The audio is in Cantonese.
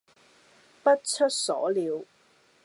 不出所料